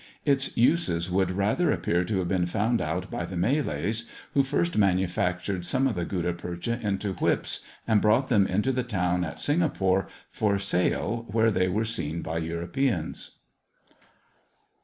Its uses would rather appear to have been found out by the Malays, who first manufactured some of the Gutta Percha into whips, and brought them into the town at Singapore for sale, where they were seen by Europeans.